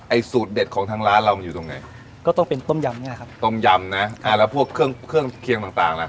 สูตรเด็ดของทางร้านเรามันอยู่ตรงไหนก็ต้องเป็นต้มยำเนี้ยครับต้มยำนะอ่าแล้วพวกเครื่องเครื่องเคียงต่างต่างล่ะ